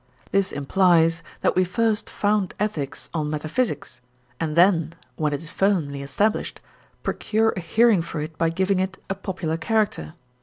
This implies that we first found ethics on metaphysics, and then, when it is firmly established, procure a hearing for it by giving it a popular character.